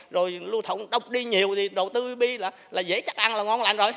rồi lưu thông đông đi nhiều thì đầu tư bb là dễ chắc ăn là ngon lành rồi